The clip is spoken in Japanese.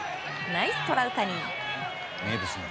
ナイストラウタニ！